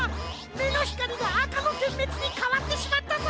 めのひかりがあかのてんめつにかわってしまったぞ！